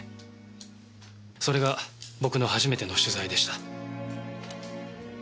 それが僕の初めての取材でした。